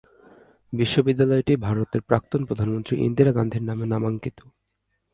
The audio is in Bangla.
বিশ্ববিদ্যালয়টি ভারতের প্রাক্তন প্রধানমন্ত্রী ইন্দিরা গান্ধীর নামে নামাঙ্কিত।